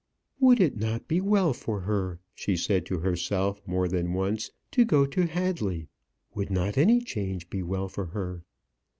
"Would it not be well for her," she said to herself more than once, "to go to Hadley? Would not any change be well for her?"